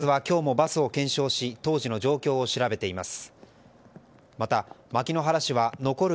警察は、今日もバスを検証し当時の状況を調べています。